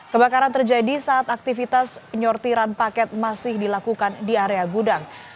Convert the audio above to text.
kebakaran terjadi saat aktivitas penyortiran paket masih dilakukan di area gudang